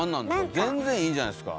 全然いいじゃないですか。